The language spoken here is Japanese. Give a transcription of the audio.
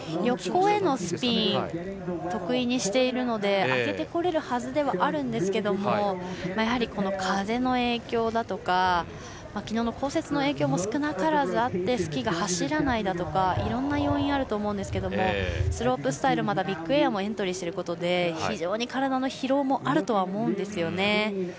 横へのスピンを得意にしているので上げてこれるはずではあるんですけどもやはり、この風の影響だとか昨日の降雪の影響も少なからずあってスキーが走らないとかいろんな要因あると思うんですがスロープスタイルまたビッグエアもエントリーしていることで非常に体の疲労もあると思うんですよね。